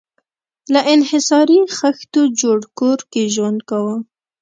له انحصاري خښتو جوړ کور کې ژوند کاوه.